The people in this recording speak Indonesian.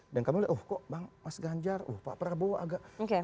dan kami lihat kok bang mas ganjar pak prabowo agak